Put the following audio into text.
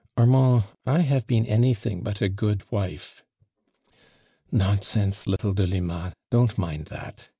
Armand, I have been any thing but a good wife." "Nonsense, little Delima, don't mind that.